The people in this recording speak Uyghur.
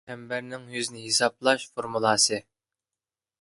چەمبەرنىڭ يۈزىنى ھېسابلاش فورمۇلاسى